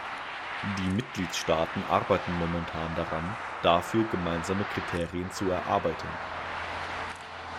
Die Mitgliedstaaten arbeiten momentan daran, dafür gemeinsame Kriterien zu erarbeiten.